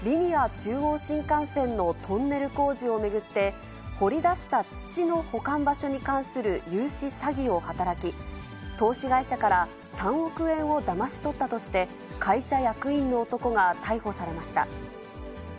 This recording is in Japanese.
中央新幹線のトンネル工事を巡って、掘り出した土の保管場所に関する融資詐欺を働き、投資会社から３億円をだまし取ったとして、会社役員の男が逮捕されました。